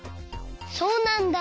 そうなんだ。